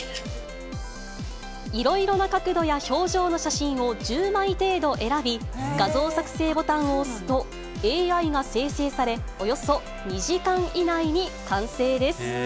いろいろな角度や表情の写真を１０枚程度選び、画像作成ボタンを押すと、ＡＩが生成され、およそ２時間以内に完成です。